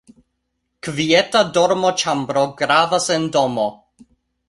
Kvieta dormoĉambro gravas en domo.